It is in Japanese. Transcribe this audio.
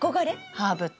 ハーブって。